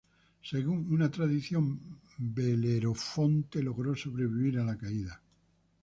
Según una tradición, Belerofonte logró sobrevivir a la caída.